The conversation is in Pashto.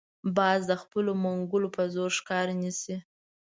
باز د خپلو منګولو په زور ښکار نیسي